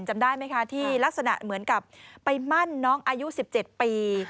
จำได้ไหมคะที่ลักษณะเหมือนกับไปมั่นน้องอายุ๑๗ปี